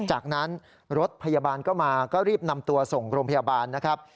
จากนั้นรถพยาบาลก็มาก็รีบนำตัวส่งโรงพยาบาลนะครับ